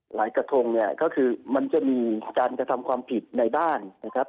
กระทงเนี่ยก็คือมันจะมีการกระทำความผิดในบ้านนะครับ